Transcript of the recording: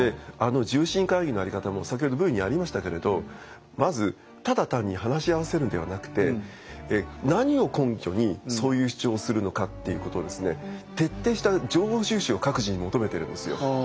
重臣会議のやり方も先ほどＶにありましたけれどまずただ単に話し合わせるんではなくて何を根拠にそういう主張をするのかっていうことを徹底した情報収集を各自に求めてるんですよ。